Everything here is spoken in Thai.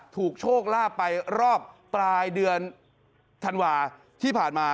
โชคลาภไปรอบปลายเดือนธันวาที่ผ่านมา